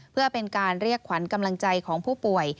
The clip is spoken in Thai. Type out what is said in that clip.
เพื่อเป็นการเรียกขวัญกำลังใจของผู้ป่วย